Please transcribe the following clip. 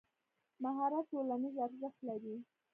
مهارت ټولنیز ارزښت لري.